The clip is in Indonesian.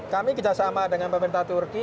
kami kerjasama dengan pemerintah turki